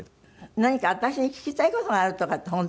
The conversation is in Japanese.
何か私に聞きたい事があるとかって本当？